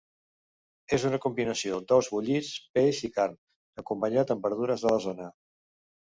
És una combinació d'ous bullits, peix i carn, acompanyat amb verdures de la zona.